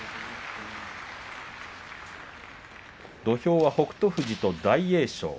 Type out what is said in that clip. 土俵は北勝富士と大栄翔。